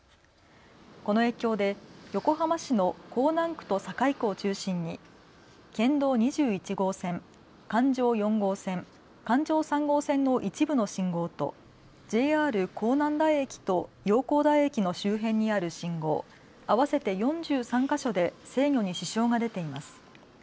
この影響で横浜市の港南区と栄区を中心に県道２１号線、環状４号線、環状３号線の一部の信号とＪＲ港南台駅と洋光台駅の周辺にある信号、合わせて４３か所で制御に支障が出ています。